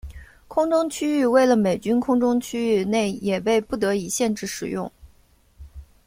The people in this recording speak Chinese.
空中区域为了美军空中区域内也被不得已限制使用。